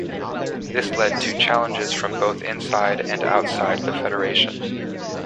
This led to challenges from both inside and outside the Federation.